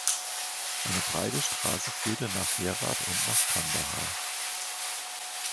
Eine breite Straße führte nach Herat und nach Kandahar.